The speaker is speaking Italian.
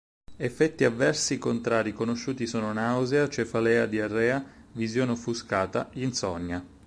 Effetti avversi contrari conosciuti sono nausea, cefalea, diarrea, visione offuscata, insonnia.